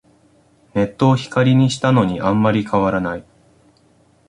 ネットを光にしたのにあんまり変わらない